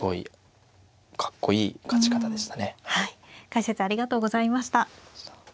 解説ありがとうございました。